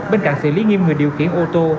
bên cạnh xử lý nghiêm người điều khiển ô tô